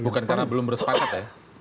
bukan karena belum bersepakat ya